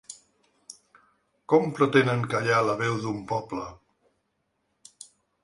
Com pretenen callar la veu d'un poble?